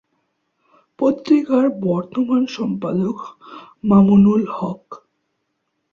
পত্রিকার বর্তমান সম্পাদক মামুনুল হক।